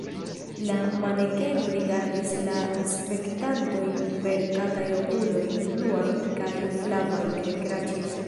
La manekeno rigardis la spektantojn per kataj okuloj, bluaj kaj flavaj, kaj kraĉis.